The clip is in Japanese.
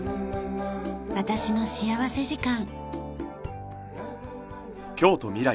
『私の幸福時間』。